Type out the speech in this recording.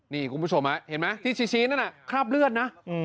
นี่คุณผู้ชมเห็นไหมที่ชี้นั่นคราบเลือดนะ